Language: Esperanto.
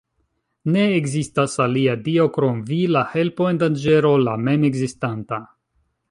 Ne ekzistas alia dio krom Vi, la Helpo en danĝero, la Mem-Ekzistanta.